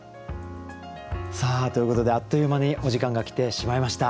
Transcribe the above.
ということであっという間にお時間が来てしまいました。